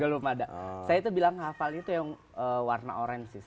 belum ada saya itu bilang hafal itu yang warna orange